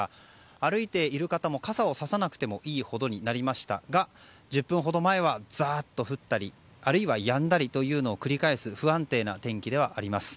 歩いている方も傘をささなくてもいいほどになりましたが１０分ほど前はザッと降ったりあるいはやんだりというのを繰り返す不安定な天気ではあります。